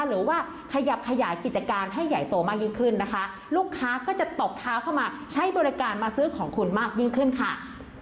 หรือว่าขยับขยายกิจการให้ใหญ่โตมากยิ่งขึ้นนะคะลูกค้าก็จะตบเท้าเข้ามาใช้บริการมาซื้อของคุณมากยิ่งขึ้นค่ะ